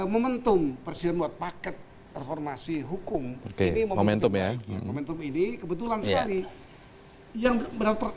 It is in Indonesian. momentum presiden buat paket reformasi hukum oke ini momentum ya momentum ini kebetulan sekali yang